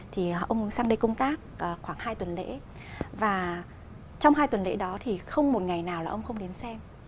thì ông sang đây công tác khoảng hai tuần lễ và trong hai tuần lễ đó thì không một ngày nào là ông không đến xem